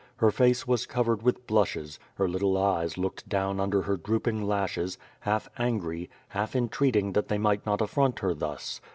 Her face was covered with blushes; her little eyes looked down under her drooping lashes, half angry, half entreating that they might not affront her thus.